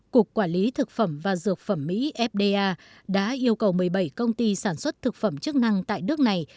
cục quản lý thực phẩm và dược phẩm mỹ fda đã yêu cầu một mươi bảy công ty sản xuất thực phẩm chức năng tại nước này